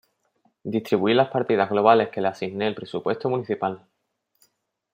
Distribuir las partidas globales que les asigne el presupuesto municipal.